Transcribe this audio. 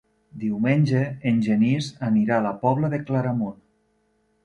Diumenge en Genís anirà a la Pobla de Claramunt.